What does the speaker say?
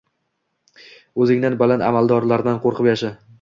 O’zingdan baland amaldordan... qo‘rqib yasha.